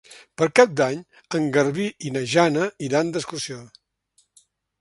Per Cap d'Any en Garbí i na Jana iran d'excursió.